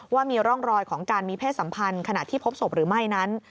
ว่ามีร่องรอยของการมีเพศสัมพันธ์ขณะที่พบศพหรือไม่นั้น